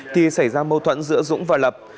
thì xảy ra mâu thuẫn giữa dũng và lập